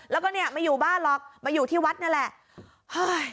แล้วก็เนี่ยไม่อยู่บ้านหรอกมาอยู่ที่วัดนั่นแหละเฮ้ย